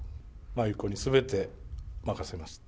万由子にすべて任せました。